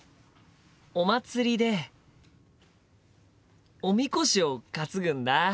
お祭りでおみこしを担ぐんだ。